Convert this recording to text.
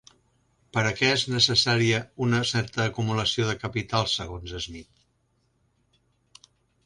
Per a què és necessària una certa acumulació de capital segons Smith?